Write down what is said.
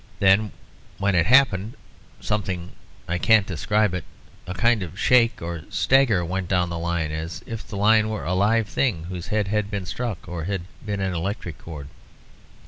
Then, when it happened, something, I can't describe it a kind of shake or stagger went down the line, as if the line were a live thing, whose head had been struck, or had been an electric cord.